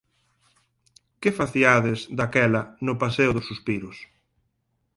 Que faciades, daquela, no paseo dos Suspiros?